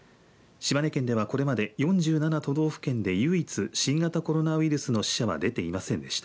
島根県ではこれまで４７道府県で唯一、新型コロナウイルスの死者は出ていませんでした。